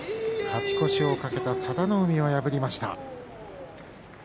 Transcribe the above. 勝ち越しを懸けた佐田の海を破りました。